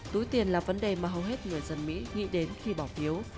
túi tiền là vấn đề mà hầu hết người dân mỹ nghĩ đến khi bỏ phiếu